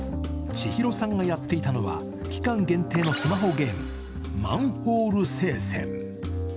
チヒロさんがやっていたのは期間限定のスマホゲーム、マンホール聖戦。